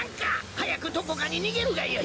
早くどこかに逃げるがよい！